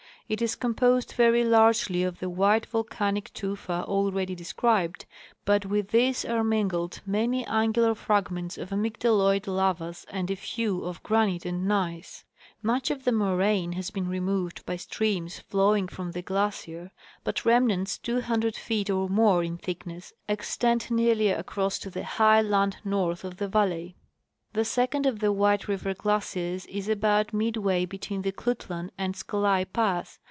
It is composed very largely of the white volcanic tufa already described, but with this are min gled many angular fragments of amygdaloid lavas and a few of granite and gneiss. Much of the moraine has been removed by streams flowing from the glacier, but remnants 200 feet or more in thickness extend nearly across to the high land north of the valley. The second of the White river glaciers is about midAvay be tween the Klutlan and Scolai pass.